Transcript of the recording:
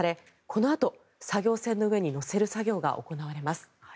このあと、作業船の上に載せる作業が行われます。